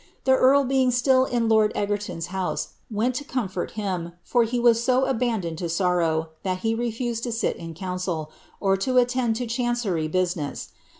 The earl beins siiil n lord Egerton's house, went to comfort him, for he was so abandoned lo sorrow, that he refused to sit in council, or to attend lo ehancerj busi ness.